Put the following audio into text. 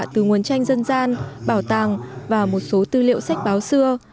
từ nguồn tranh dân gian bảo tàng và một số tư liệu sách báo xưa